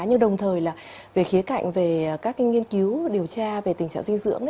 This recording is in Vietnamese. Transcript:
nhưng đồng thời là về khía cạnh về các nghiên cứu điều tra về tình trạng dinh dưỡng